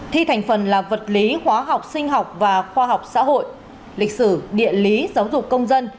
thi thành phần là vật lý hóa học sinh học và khoa học xã hội lịch sử địa lý giáo dục công dân